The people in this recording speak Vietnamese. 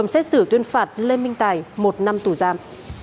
xét xử tuyên phạt lê minh tài một năm tù giam